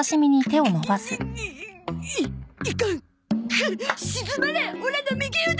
くっしずまれオラの右腕！